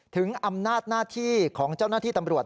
ถึงอำนาจหน้าที่ของเจ้าหน้าที่ตำรวจ